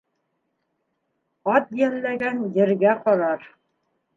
Ат йәлләгән ергә ҡарар